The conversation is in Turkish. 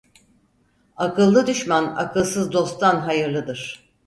Akıllı düşman, akılsız dosttan hayırlıdır.